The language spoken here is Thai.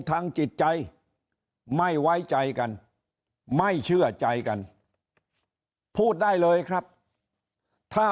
ทางจิตใจไม่ไว้ใจกันไม่เชื่อใจกันพูดได้เลยครับถ้า